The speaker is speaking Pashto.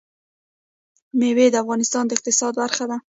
مېوې د افغانستان د اقتصاد برخه ده.